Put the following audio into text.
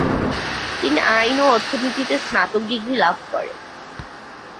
তিনি আইন ও অর্থনীতিতে স্নাতক ডিগ্রী লাভ করেন।